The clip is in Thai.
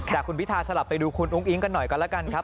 แต่คุณพิทาสลับไปดูคุณอุ้งอิ๊งกันหน่อยกันแล้วกันครับ